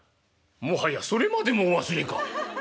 「もはやそれまでもお忘れか」。